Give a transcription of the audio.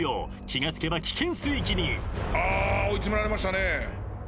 ［気が付けば危険水域に］あ追い詰められましたね。